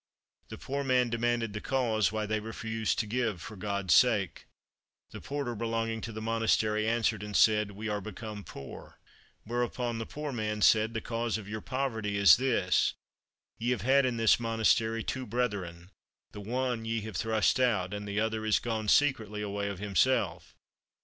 The poor man demanded the cause why they refused to give for God's sake. The porter belonging to the monastery answered and said, "We are become poor;" whereupon the poor man said, "The cause of your poverty is this: ye have had in this monastery two brethren; the one ye have thrust out, and the other is gone secretly away of himself.